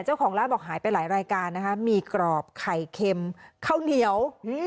เจ้าของร้านบอกหายไปหลายรายการนะคะมีกรอบไข่เค็มข้าวเหนียว